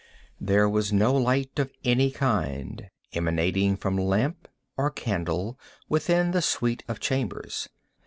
There was no light of any kind emanating from lamp or candle within the suite of chambers.